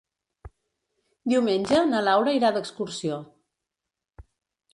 Diumenge na Laura irà d'excursió.